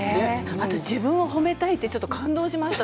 あと自分を褒めたいって感動しました、